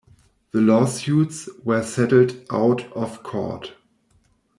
The lawsuits were settled out of court.